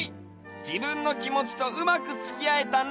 じぶんのきもちとうまくつきあえたね！